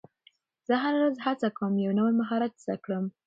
زه هره ورځ هڅه کوم یو نوی مهارت زده کړم